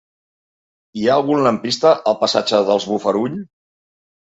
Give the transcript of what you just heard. Hi ha algun lampista al passatge dels Bofarull?